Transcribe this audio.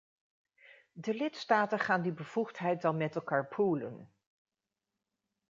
De lidstaten gaan die bevoegdheid dan met elkaar poolen.